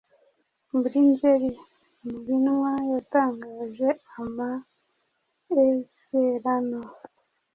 Muri Nzeri, umuhinwa yatangaje amaezerano